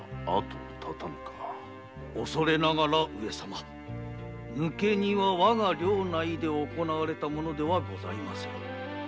恐れながら抜け荷はわが領内で行われたものではございませぬ。